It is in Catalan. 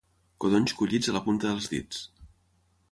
Codonys collits a la punta dels dits.